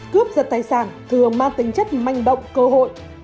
cướp giật tài sản thường mang tính chất manh động cơ hội